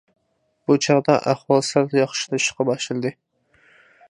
بۇ چاغدا ئەھۋال سەل ياخشىلىنىشقا باشلىدى.